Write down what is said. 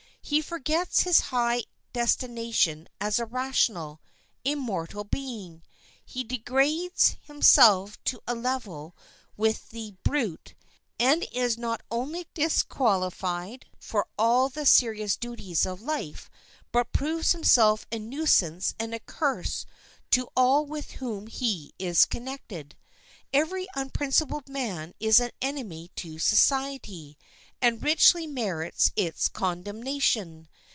He forgets his high destination as a rational, immortal being; he degrades himself to a level with the brute, and is not only disqualified for all the serious duties of life, but proves himself a nuisance and a curse to all with whom he is connected. Every unprincipled man is an enemy to society, and richly merits its condemnation.